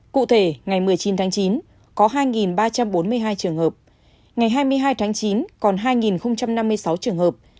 cụ thể ngày một mươi chín tháng chín có hai ba trăm bốn mươi hai trường hợp ngày hai mươi hai tháng chín còn hai năm mươi sáu trường hợp